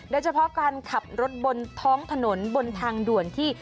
โดยเฉพาะการขับรถบนท้องถนนบนทางด่วนที่